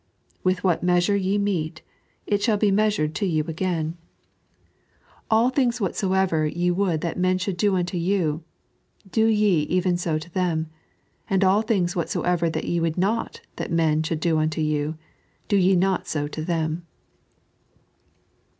"With what measure ye mete, it shall be measured to you again. AH 3.n.iized by Google Teue Chabiti. 165 thinga whatsoever ;e would that men ehould do onto jTou, do je even so to them ; and all things whatsoever ye would not that men should do unto you, do ye not so to them."